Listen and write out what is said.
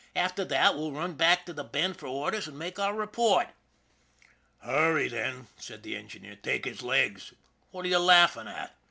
After that we'll run back to the Bend for orders and make our report." " Hurry, then/' said the engineer. " Take his legs. What are you laughing at